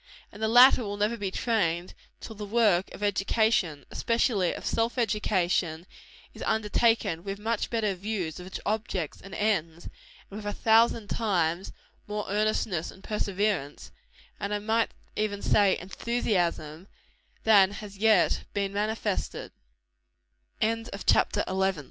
And the latter will never be better trained, till the work of education, especially of self education, is undertaken with much better views of its objects and ends, and with a thousand times more earnestness and perseverance, and I might even say enthusiasm, than has as yet been manifested. CHAPTER XII. INVENTION.